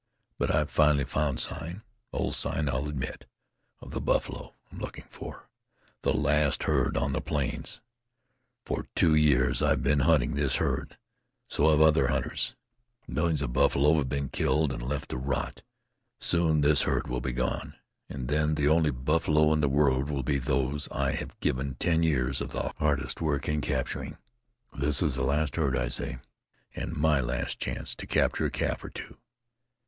But I've finally found sign old sign, I'll admit the buffalo I'm looking for the last herd on the plains. For two years I've been hunting this herd. So have other hunters. Millions of buffalo have been killed and left to rot. Soon this herd will be gone, and then the only buffalo in the world will be those I have given ten years of the hardest work in capturing. This is the last herd, I say, and my last chance to capture a calf or two.